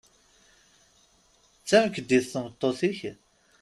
D tamekdit tmeṭṭut-ik?